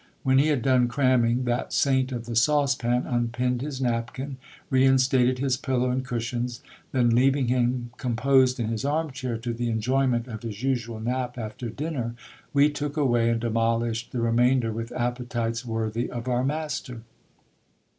When he had done cramming, that saint of the saucepan unpinned his napkin, reinstated his pillow and cushions ; then, leaving him composed in his arm chair to the enjoyment of his usual nap after dinner, we took away, and demolished the remainder with appetites worthy of our master.